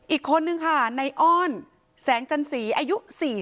อีกคนนึงค่ะในอ้อนแสงจันสีอายุ๔๐